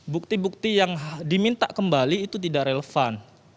bukti bukti yang diminta kembali itu tidak relevan